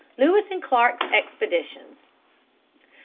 Lewis and Clark's Explorations.